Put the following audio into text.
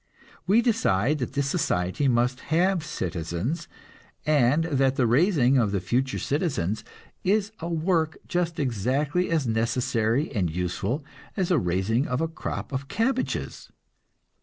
We decide that this society must have citizens, and that the raising of the future citizens is a work just exactly as necessary and useful as the raising of a crop of cabbages.